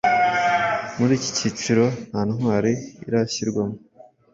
Muri iki kiciro nta ntwari irashyirwamo.